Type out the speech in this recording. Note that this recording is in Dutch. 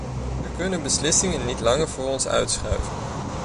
We kunnen beslissingen niet langer voor ons uitschuiven.